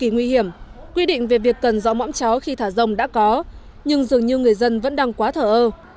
nguy hiểm quy định về việc cần dõi mõm chó khi thả rồng đã có nhưng dường như người dân vẫn đang quá thở ơ